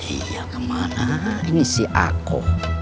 iya kemana ini si aku